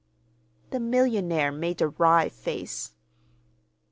The millionaire made a wry face.